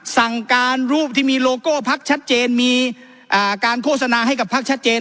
สั่งการรูปที่มีโลโก้พักชัดเจนมีการโฆษณาให้กับพักชัดเจน